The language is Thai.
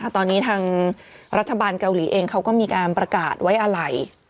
ตอนนี้ทางรัฐบาลเกาหลีเองเขาก็มีการประกาศไว้อะไร